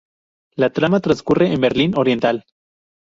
La trama transcurre en Berlín Oriental.